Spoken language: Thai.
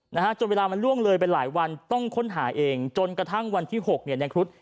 นะฮะจนเวลามันล่วงเลยไปหลายวันต้องค้นหาเองจนกระทั่งวันที่หกเนี่ยในครุฑ